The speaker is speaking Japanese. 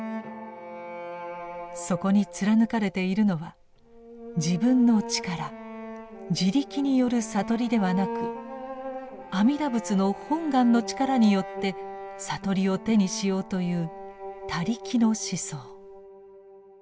そこに貫かれているのは自分の力「自力」による悟りではなく阿弥陀仏の本願の力によって悟りを手にしようという「他力」の思想。